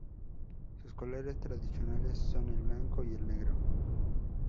Sus colores tradicionales son el blanco y el negro.